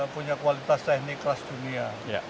punya kualitas teknik kelas dunia